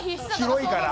広いから。